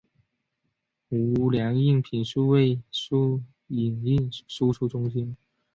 无印良品数位影印输出中心